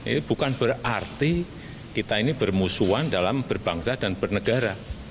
ini bukan berarti kita ini bermusuhan dalam berbangsa dan bernegara